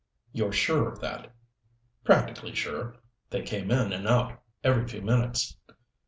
"You're sure of that?" "Practically sure. They came in and out every few minutes."